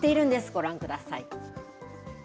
ご覧ください。